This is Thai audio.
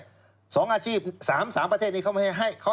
๒อาชีพ๓ประเทศนี้เขาให้ทำแม่บ้าน